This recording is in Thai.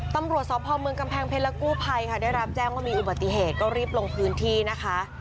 ตำรวจสพเมืองกำแพงเพชรและกู้ภัยค่ะได้รับแจ้งว่ามีอุบัติเหตุก็รีบลงพื้นที่นะคะ